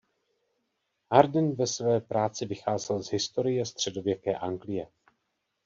Hardin ve své práci vycházel z historie středověké Anglie.